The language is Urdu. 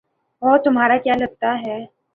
وہ تمہارا کیا لگتا ہے؟